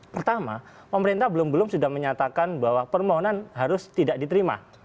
pertama pemerintah belum belum sudah menyatakan bahwa permohonan harus tidak diterima